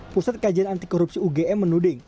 pusat kajian anti korupsi ugm menuding